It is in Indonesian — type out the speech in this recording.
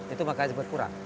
itu makanya berkurang